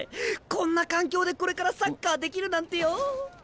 こんな環境でこれからサッカーできるなんてよう！